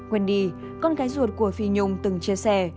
wendy con gái ruột của phi nhung từng chia sẻ